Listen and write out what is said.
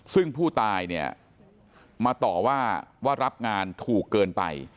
ซึ่งผู้ตายเนี่ยมาต่อว่าว่ารับงานถูกเกินไป